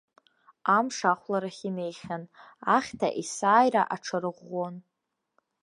Амш ахәларахь инеихьан, ахьҭа есааира аҽарыӷәӷәон.